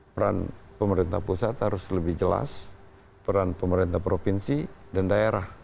peran pemerintah pusat harus lebih jelas peran pemerintah provinsi dan daerah